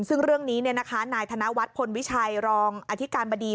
ซึ่งเรื่องนี้นายธนวัฒน์พลวิชัยรองอธิการบดี